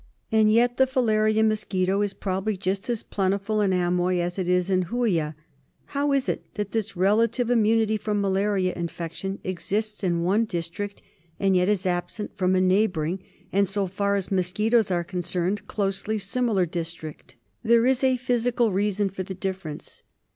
And yet the filaria mosquito is probably just as plentiful in Amoy as it. is in Hooioah. How is it that this relative immunity from filaria in fection exists in one district and yet is absent from a neighbouring and, so far as mosquitos are concerned, closely similar district ? There is a physical reason for the difference.